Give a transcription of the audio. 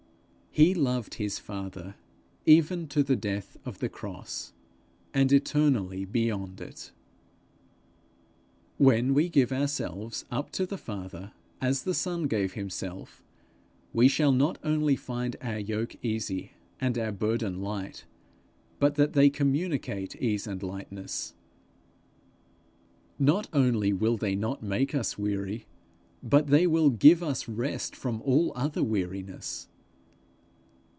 He loved his father even to the death of the cross, and eternally beyond it. When we give ourselves up to the Father as the Son gave himself, we shall not only find our yoke easy and our burden light, but that they communicate ease and lightness; not only will they not make us weary, but they will give us rest from all other weariness.